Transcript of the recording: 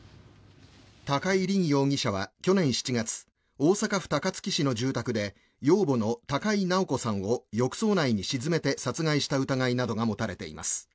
高井凜容疑者は去年７月大阪府高槻市の住宅で養母の高井直子さんを浴槽内に沈めて殺害した疑いなどが持たれています。